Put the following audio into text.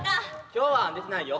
今日は寝てないよ。